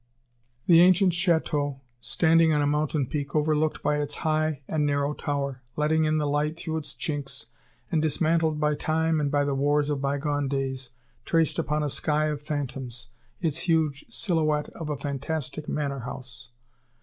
The ancient château, standing on a mountain peak, overlooked by its high and narrow tower, letting in the light through its chinks, and dismantled by time and by the wars of bygone days, traced, upon a sky of phantoms, its huge silhouette of a fantastic manor house.